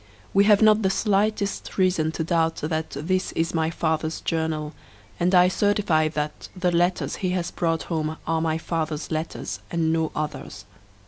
We have not the slightest reason to doubt that this is my father's journal, and I certify that the letters he has brought home are my father's letters, and no others.